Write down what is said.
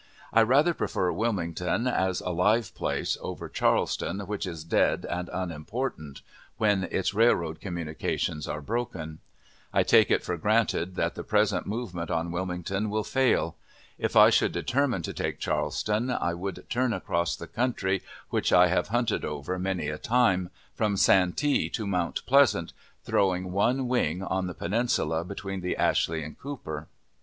I rather prefer Wilmington, as a live place, over Charleston, which is dead and unimportant when its railroad communications are broken. I take it for granted that the present movement on Wilmington will fail. If I should determine to take Charleston, I would turn across the country (which I have hunted over many a time) from Santee to Mount Pleasant, throwing one wing on the peninsula between the Ashley and Cooper.